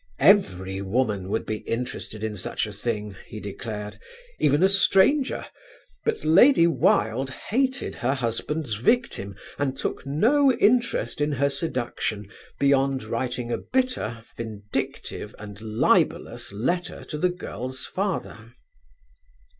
Every woman would be interested in such a thing, he declared, even a stranger; but Lady Wilde hated her husband's victim and took no interest in her seduction beyond writing a bitter, vindictive and libellous letter to the girl's father....